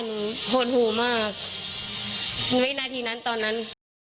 หดหูมากวินาทีนั้นตอนนั้น